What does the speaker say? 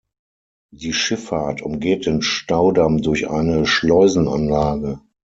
Die Schifffahrt umgeht den Staudamm durch eine Schleusenanlage.